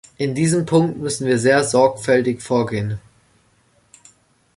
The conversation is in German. In diesem Punkt müssen wir sehr sorgfältig vorgehen.